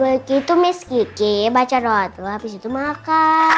gak begitu miss kiki baca doa lu abis itu makan